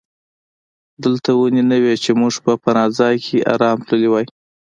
دلته ونې نه وې چې موږ په پناه ځای کې آرام تللي وای.